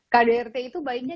kdrt itu baiknya